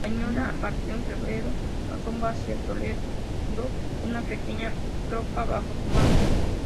Acuña partió en febrero rumbo hacia Toledo, con una pequeña tropa bajo su mando.